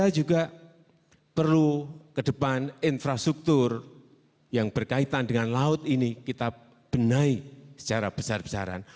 kita juga perlu ke depan infrastruktur yang berkaitan dengan laut ini kita benahi secara besar besaran